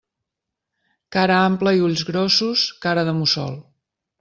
Cara ampla i ulls grossos, cara de mussol.